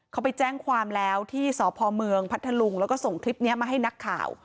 เขาไปแจ้งความแล้วที่สพเมืองพัทธลุงแล้วก็ส่งคลิปนี้มาให้นักข่าว